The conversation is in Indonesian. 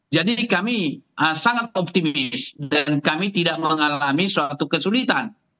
jadi kami sangat optimis dan kami tidak mengalami suatu kesulitan